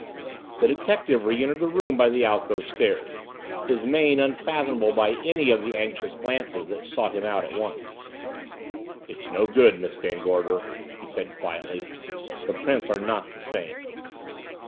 The detective re entered the room by the alcove stairs, his mien unfathomable by any of the anxious glances that sought him out at once. "It's no good, Miss Van Gorder," he said quietly. "The prints are not the same."